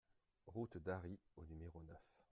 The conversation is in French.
Route d'Arry au numéro neuf